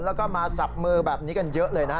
แล้วก็มาสับมือแบบนี้กันเยอะเลยนะฮะ